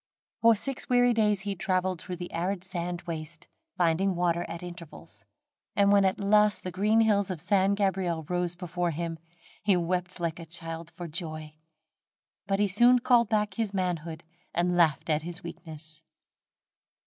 For six weary days he traveled through an arid sandy waste, finding water at intervals; and when at last the green hills of San Gabriel rose before him, he wept like a child for joy; but he soon called back his manhood and laughed at his weakness.